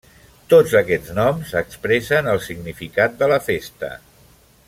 Tots aquests noms expressen el significat de la festa.